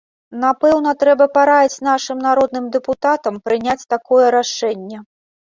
Напэўна, трэба параіць нашым народным дэпутатам прыняць такое рашэнне.